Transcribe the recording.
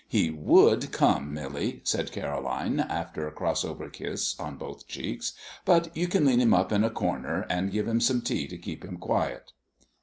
"He would come, Millie," said Caroline, after a cross over kiss on both cheeks, "but you can lean him up in a corner and give him some tea to keep him quiet."